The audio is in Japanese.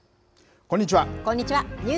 こんにちは。